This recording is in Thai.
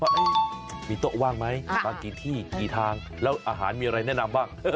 ว่ามีโต๊ะว่างไหมมากี่ที่กี่ทางแล้วอาหารมีอะไรแนะนำบ้าง